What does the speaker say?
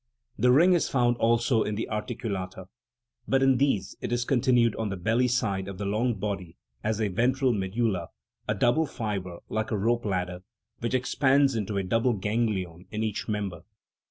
This ring is found also in the articulata; but in these it is continued on the belly side of the long body as a ventral medulla, a double fibre like a rope ladder, which expands into a double ganglion in each member.